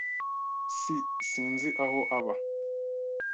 S Sinzi aho aba.